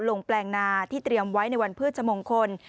แปลงนาที่เตรียมไว้ในวันพฤชมงคล